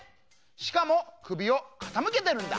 しかもくびをかたむけてるんだ！